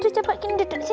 aduh cepat duduk di sini